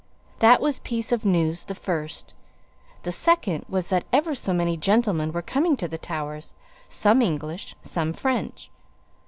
That was piece of news the first. The second was that ever so many gentlemen were coming to the Towers some English, some French.